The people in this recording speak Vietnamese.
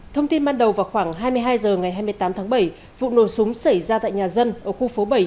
thông tin ban đầu vào khoảng hai mươi hai h ngày hai mươi tám tháng bảy vụ nổ súng xảy ra tại nhà dân ở khu phố bảy